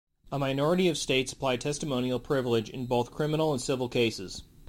A minority of states apply testimonial privilege in both criminal and civil cases.